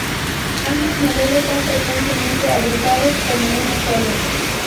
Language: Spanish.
Ambos modelos son frecuentemente agrupados como uno solo.